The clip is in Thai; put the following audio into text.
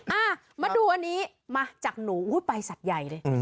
อ่ามาดูอันนี้มาจากหนูอุ้ยไปสัตว์ใหญ่เลย